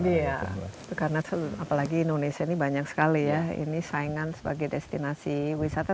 karena apalagi indonesia ini banyak sekali ya ini saingan sebagai destinasi wisata